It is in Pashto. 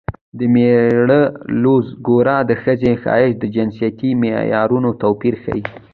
د مېړه لوز ګوره د ښځې ښایست د جنسیتي معیارونو توپیر ښيي